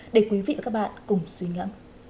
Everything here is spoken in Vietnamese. để quý vị và các bạn cùng suy nghĩ